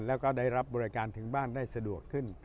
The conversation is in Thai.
แล้วก็ได้รับบริการถึงบ้านได้สะดวกขึ้น